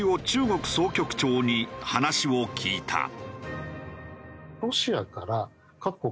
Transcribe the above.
中国総局長に話を聞いた。